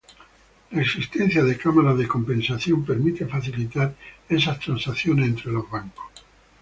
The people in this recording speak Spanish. La existencia de cámaras de compensación permite facilitar esas transacciones entre los bancos.